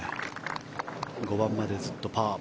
５番までずっとパー。